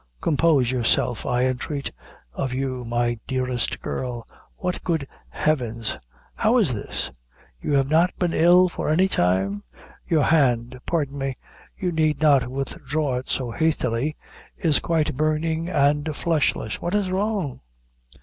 "Compose yourself, I entreat of you, my dearest girl. What! good Heavens, how is this? You have not been ill for any time? Your hand pardon me; you need not withdraw it so hastily is quite burning and fleshless. What is wrong?"